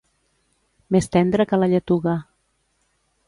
Més tendre que la lletuga.